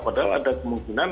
padahal ada kemungkinan